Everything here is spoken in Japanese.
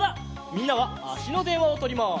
みんなはあしのでんわをとります。